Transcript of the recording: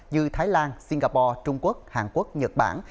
như thái lan singapore trung quốc hàn quốc nhật bản